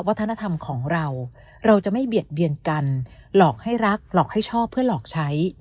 วัฒนธรรมของเราเราจะไม่เบียดเบียนกันหลอกให้รักหลอกให้ชอบเพื่อหลอกใช้